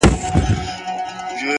پرمختګ له پرلهپسې زده کړې ځواک اخلي!.